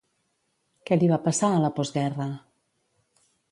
Què li va passar a la postguerra?